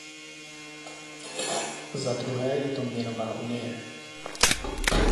Za druhé je to měnová unie.